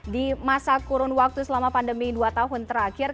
di masa kurun waktu selama pandemi dua tahun terakhir